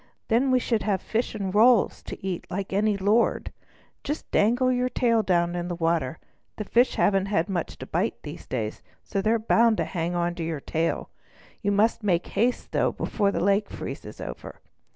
Then we should have fish and rolls to eat like any lord. Just dangle your tail down in the water; the fish haven't much to bite these days, so they're bound to hang on to your tail. You must make haste, though, before the lake freezes over."